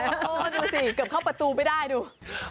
ดูสิเกือบเข้าประตูไม่ได้ดู